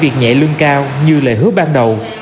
việc nhảy lưng cao như lời hứa ban đầu